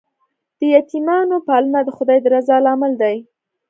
د یتیمانو پالنه د خدای د رضا لامل دی.